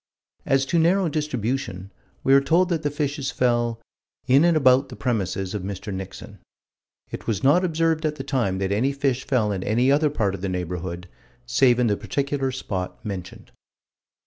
As to narrow distribution, we are told that the fishes fell "in and about the premises of Mr. Nixon." "It was not observed at the time that any fish fell in any other part of the neighborhood, save in the particular spot mentioned."